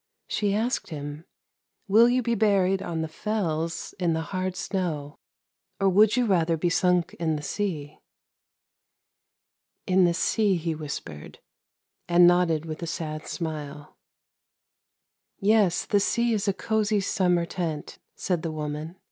She asked him, ' Will you be buried on the Fells, in the hard snow, or would you rather be sunk in the sea? '' In the sea,' he whispered, and nodded with a sad smile. ' Yes, the sea is a cosy summer tent,' said the woman.